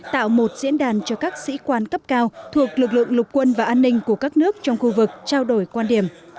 tạo một diễn đàn cho các sĩ quan cấp cao thuộc lực lượng lục quân và an ninh của các nước trong khu vực trao đổi quan điểm